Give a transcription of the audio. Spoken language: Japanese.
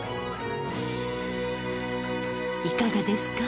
いかがですか？